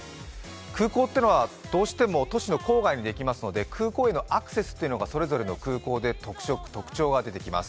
空港というのはどうしても都市の郊外にできますので空港へのアクセスっていうのがそれぞれの空港で特色が出てきます。